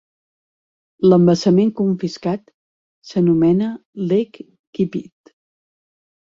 L'embassament confiscat s'anomena Lake Keepit.